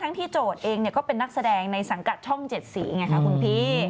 ทั้งที่โจทย์เองเนี่ยก็เป็นนักแสดงในสังกัดช่องเจ็ดสี่ค่ะ